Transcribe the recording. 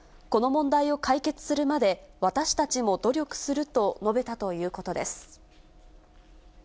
この問題を解決するまで、私たちも努力すると述べたということです。